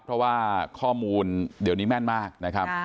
เพราะว่าข้อมูลเดี๋ยวนี้แม่นมากนะครับ